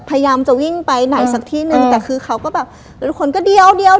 พยายามจะวิ่งไปไหนสักที่นึงแต่คือเขาก็แบบแล้วทุกคนก็เดียวเดี๋ยว